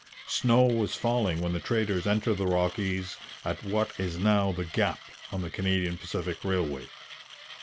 Snow was falling when the traders entered the Rockies at what is now the Gap, on the Canadian Pacific Railway.